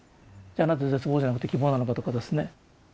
じゃあなぜ絶望じゃなくて希望なのかとかですね。